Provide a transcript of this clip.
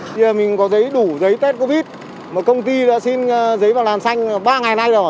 bây giờ mình có giấy đủ giấy test covid một công ty đã xin giấy vào làm xanh ba ngày nay rồi